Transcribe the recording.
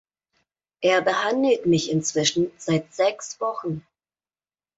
Er behandelt mich inzwischen seit sechs Wochen.